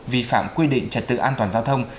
vi phạm quy định trật tự an toàn giao thông